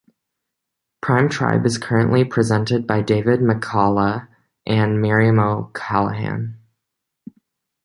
"Prime Time" is currently presented by David McCullagh and Miriam O'Callaghan.